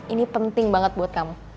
ini penting banget buat kamu